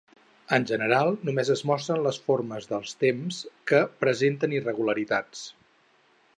En general només es mostren les formes dels temps que presenten irregularitats.